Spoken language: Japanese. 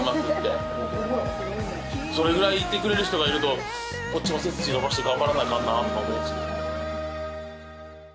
それぐらい言ってくれる人がいるとこっちも背筋伸ばして頑張らなあかんなとか思うんです。